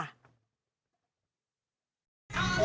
เย่